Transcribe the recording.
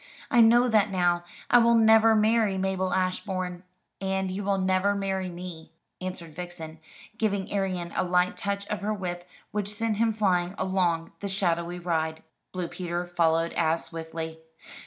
I know that now. I will never marry Mabel Ashbourne." "And you will never marry me," answered Vixen, giving Arion a light touch of her whip which sent him flying along the shadowy ride. Blue Peter followed as swiftly.